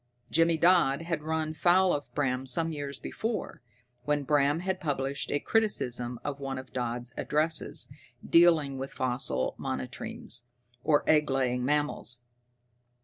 Jimmy Dodd had run foul of Bram some years before, when Bram had published a criticism of one of Dodd's addresses dealing with fossil monotremes, or egg laying mammals.